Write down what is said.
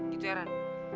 gitu ya ran